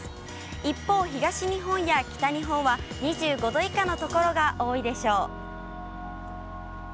一方、東日本や北日本は２５度以下の所が多いでしょう。